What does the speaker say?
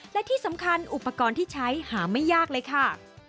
และที่สำคัญอุปกรณ์ที่ใช้หาไม่ยากเลยค่ะ